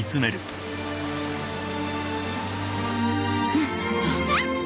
うん。あっ。